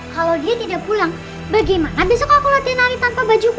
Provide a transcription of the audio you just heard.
kalau dia tidak pulang bagaimana besok aku latihan lari tanpa bajuku